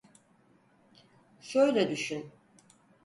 Şöyle düşün.